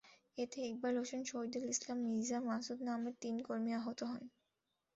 এতে ইকবাল হোসেন, শহীদুল ইসলাম, মির্জা মাসুদ নামের তিন কর্মী আহত হন।